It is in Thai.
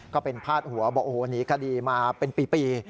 ก็เป็นพาดหัวบอกโอ้โหหนีคดีมาเป็นปี